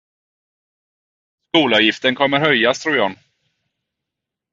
Skolavgiften kommer att höjas tror John.